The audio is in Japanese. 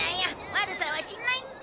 悪さはしないって。